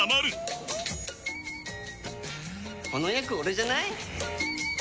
この役オレじゃない？